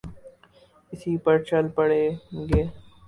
اسی پر چل پڑیں گے۔